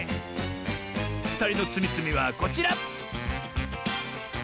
ふたりのつみつみはこちら！